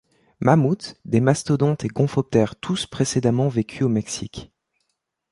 Mammouths, des mastodontes et gomphothères tous précédemment vécu au Mexique.